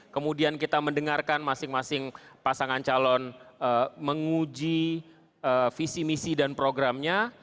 kemudian kita mendengarkan masing masing pasangan calon menguji visi misi dan programnya